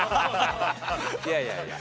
いやいやいや。